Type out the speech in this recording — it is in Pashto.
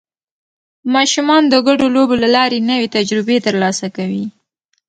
ماشومان د ګډو لوبو له لارې نوې تجربې ترلاسه کوي